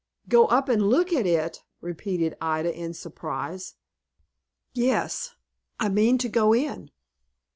"Go up and look at it!" repeated Ida, in surprise. "Yes, I mean to go in."